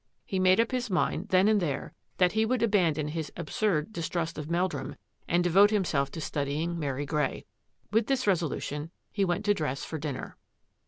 He made up his mind then and there that he would abandon his absurd dis trust of Meldrum and devote himself to studying Mary Grey. With this resolution, he went to dress for dinner.